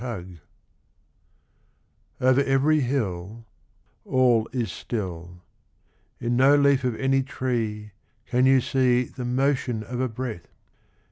I Over every hill All is still ; In no leaf of any tree Can you see The motion of a breath.